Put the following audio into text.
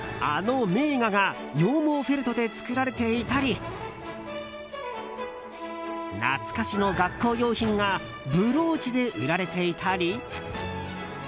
あの名画が羊毛フェルトで作られていたり懐かしの学校用品がブローチで売られていたり。